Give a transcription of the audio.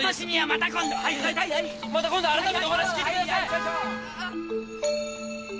また今度改めてお話聞いてください。